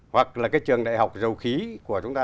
hoặc là cái trường đại học dầu khí của chúng ta